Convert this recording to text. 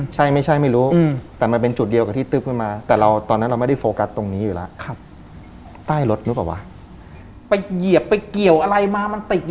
ใช่ไม่ใช่ไม่รู้แต่มันเป็นจุดเดียวกับที่ตึ๊บเพื่อมา